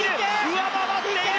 上回っている！